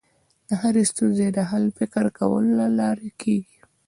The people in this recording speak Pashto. د هرې ستونزې حل د فکر کولو له لارې کېږي.